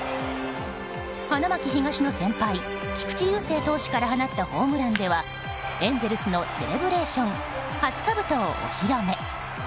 花巻東の先輩・菊池雄星投手から放ったホームランではエンゼルスのセレブレーション初かぶとをお披露目。